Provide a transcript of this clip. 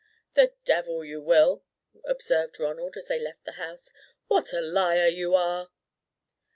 "The devil you will," observed Ronald, as they left the house. "What a liar you are!"